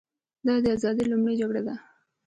دا د ازادۍ لومړۍ جګړه وه.